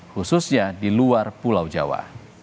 khususnya di luar pulau jawa